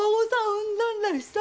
産んだんだしさ。